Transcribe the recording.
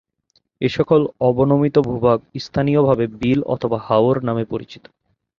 এসকল অবনমিত ভূভাগ স্থানীয়ভাবে বিল অথবা হাওর নামে পরিচিত।